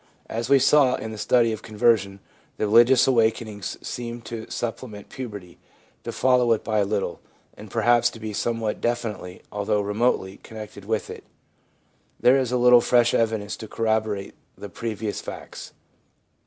As we saw in the study of Conversion, the religious awakenings seem to supplement puberty, to follow it by a little, and perhaps to be somewhat definitely, although remotely, connected with it There is a little fresh evidence to corroborate the previous facts.